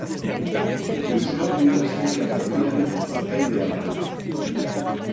Euskaldun Gazteria taldearen partaidea da.